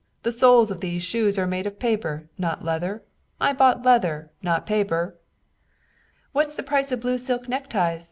The soles of these shoes are made of paper, not leather. I bought leather, not paper." "What's the price of blue silk neckties?